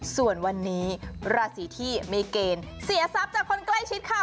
ส่วนวันนี้ราศีที่มีเกณฑ์เสียทรัพย์จากคนใกล้ชิดค่ะ